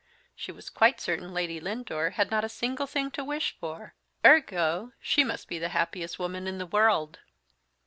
She was quite certain Lady Lindore had not a single thing to wish for: _ergo, _she must be the happiest woman in the world!